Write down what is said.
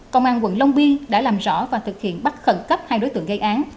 công an quận long biên đã làm rõ và thực hiện bắt khẩn cấp hai đối tượng gây án